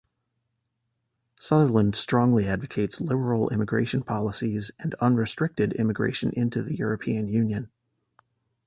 Sutherland strongly advocates liberal immigration policies and unrestricted immigration into the European Union.